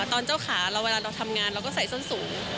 ตอนเจ้าขาเวลาเราทำงานเราก็ใส่ส้นสูง